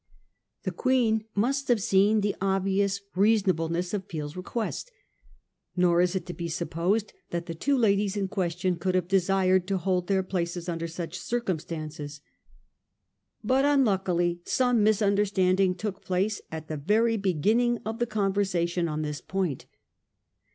The Queen must have seen the obvious reasonableness of Peel's request ; nor is it to be supposed that the two ladies in question could have desired to hold their places under such circumstances. But unluckily some mis understanding took place at the very beginning of the conversations on this point.